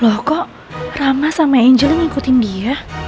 loh kok ramah sama angel ngikutin dia